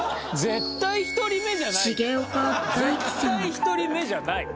絶対１人目じゃない重岡君は。